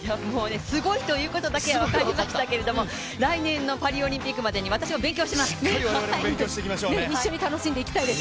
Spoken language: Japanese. すごいということだけは分かりましたけれども、来年のパリオリンピックまでに私も勉強します。